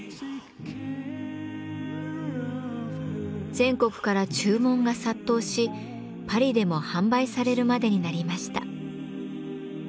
全国から注文が殺到しパリでも販売されるまでになりました。